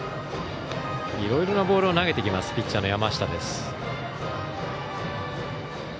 いろいろなボールを投げてくるピッチャーの山下。